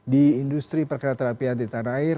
di industri perkeretapian di tanah air